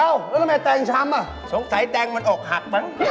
เอ้าแล้วทำไมแตงช้ำสงสัยแตงมันอกหัก